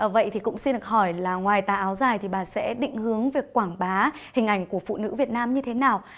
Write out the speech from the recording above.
vậy thì cũng xin được hỏi là ngoài tà áo dài thì bà sẽ định hướng việc quảng bá hình ảnh của phụ nữ việt nam như thế nào